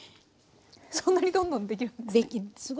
そんなにどんどん出来るんですね？